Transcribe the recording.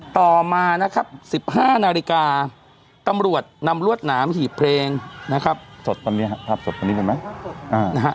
ต่อมานะครับ๑๕นาฬิกาตำรวจนำรวดหนามหีบเพลงนะครับสดตอนนี้ครับภาพสดตอนนี้เห็นไหม